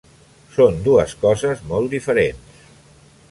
Són dues coses molt diferents.